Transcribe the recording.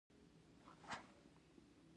کابل ټایمز په کومه ژبه ده؟